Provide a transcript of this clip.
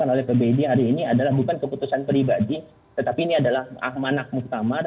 oleh pbid hari ini adalah bukan keputusan pribadi tetapi ini adalah amanat muktamar